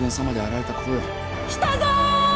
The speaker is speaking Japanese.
来たぞ！